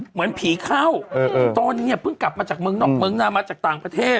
เหมือนผีเข้าตนเนี่ยเพิ่งกลับมาจากเมืองนอกเมืองนางมาจากต่างประเทศ